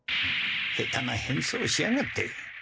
下手な変装しやがって。